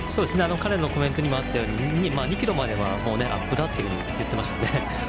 彼のコメントにもあったように、２ｋｍまではアップだと言っていましたね。